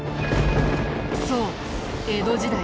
そう江戸時代